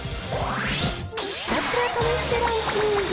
ひたすら試してランキング。